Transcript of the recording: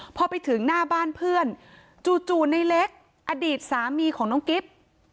พอไปถึงหน้าบ้านเพื่อนจู่ในเล็กอดีตสามีของน้องกิ๊บ